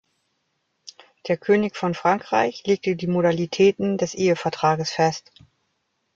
Der König von Frankreich legte die Modalitäten des Ehevertrages fest.